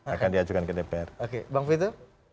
akan diajukan ke dpr oke bang vito